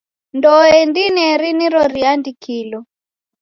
Ndoe ndineri niro riandikilo.